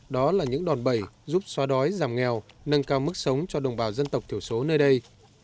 đó là những đòn bẩy giúp xoa đói giảm nghèo nâng cao mức sống cho đồng bào dân tộc thiểu số nơi đây